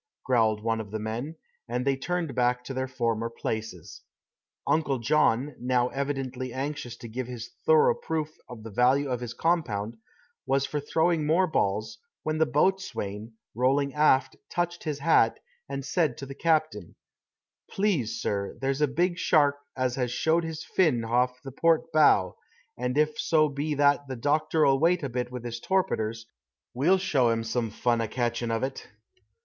growled one of the men, and they turned back to their former places. Uncle John, now evidently anxious to give us thorough proof of the value of his compound, was for throwing more balls, when the boatswain, rolling aft, touched his hat, and said to the captain: "Please, sur, there's a big shark as has showed his fin hoff the port bow, and if so be that the doctor'll wait a bit with his torpeters, we'll show 'im some fun a catchin' of it."